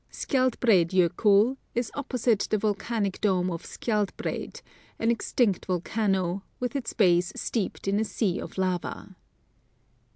Skjaldbreid Jokull is opposite the volcanic dome of Skjaldbreid, an extinct volcano, with its base steeped in a sea of lava.